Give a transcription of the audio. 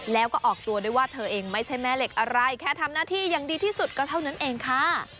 แล้วก็ออกตัวด้วยว่าเธอเองไม่ใช่แม่เหล็กอะไรแค่ทำหน้าที่อย่างดีที่สุดก็เท่านั้นเองค่ะ